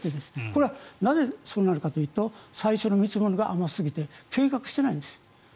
これはなぜ、そうなるかというと最初の見積もりが甘すぎて計画してないんです。